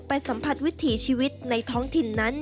สัมผัสวิถีชีวิตในท้องถิ่นนั้น